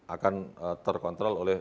akan terkontrol oleh